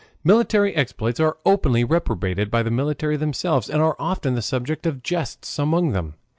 Military exploits are openly reprobated by the military themselves, and are often the subject of jests among them.